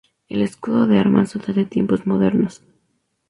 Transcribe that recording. El escudo de armas data de tiempos modernos.